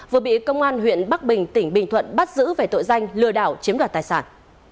vừa bị công an huyện bắc bình tỉnh bình thuận bắt giữ về tội danh lừa đảo chiếm đoạt tài sản